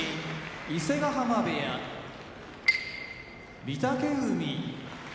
伊勢ヶ濱部屋御嶽海